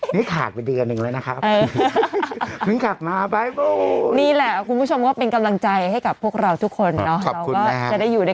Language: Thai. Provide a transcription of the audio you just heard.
เมืองกามอะไรนะกามอะไรเนี่ย